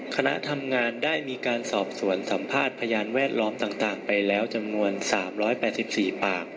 คณะทำงานได้มีการสอบสวนสัมภาษณ์พยานแวดล้อมต่างไปแล้วจำนวน๓๘๔ปาก